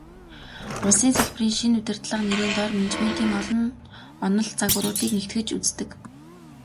Улсын салбарын шинэ удирдлага нэрийн доор менежментийн олон онол, загваруудыг нэгтгэж үздэг.